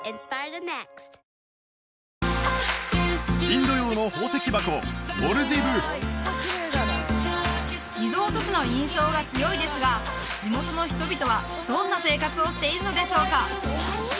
インド洋の宝石箱モルディブリゾート地の印象が強いですが地元の人々はどんな生活をしているのでしょうか？